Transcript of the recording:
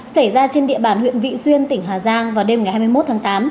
xảy ra trên địa bàn huyện vị xuyên tỉnh hà giang vào đêm ngày hai mươi một tháng tám